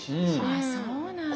ああそうなんだ。